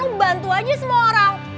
oh bantu aja semua orang